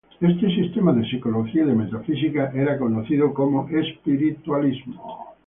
Este sistema de psicología y de metafísica era conocido como "Espiritualismo".